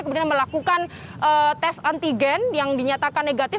kemudian melakukan tes antigen yang dinyatakan negatif